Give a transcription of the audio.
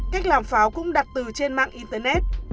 cách làm pháo cũng đặt từ trên mạng internet